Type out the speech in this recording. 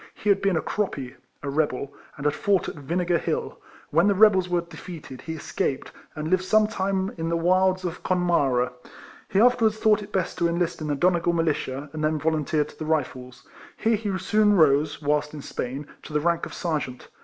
He had been a croppy, (a rebel) and had fought at Vinegar Hill. W^hen the rebels were dtfcated he escaped, and lived some time in the wilds of Connemara. He afterwards thought it best to enlist in the Donegal Militia, and then volunteered to the Rifles. Here he soon rose (whilst in Spain) to the rank of Sergeant.